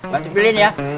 bantu pilihin ya